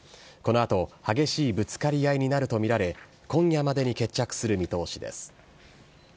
このあと、激しいぶつかり合いになると見られ、今夜までに決着する見通しです。